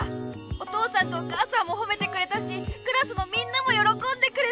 お父さんとお母さんもほめてくれたしクラスのみんなもよろこんでくれた！